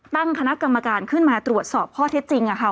ตั้งคณะกรรมการขึ้นมาตรวจสอบข้อเท็จจริงค่ะ